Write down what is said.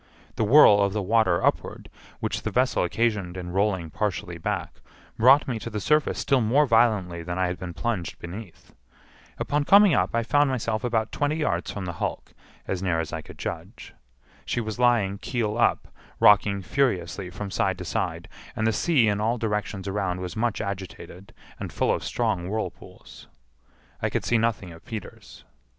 The whirl of the water upward, which the vessel occasioned in rolling partially back, brought me to the surface still more violently than I had been plunged beneath. Upon coming up I found myself about twenty yards from the hulk, as near as I could judge. She was lying keel up, rocking furiously from side to side, and the sea in all directions around was much agitated, and full of strong whirlpools. I could see nothing of Peters.